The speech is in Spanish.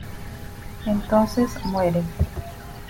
Entonces muere.